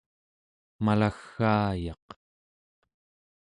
malagg'aayaq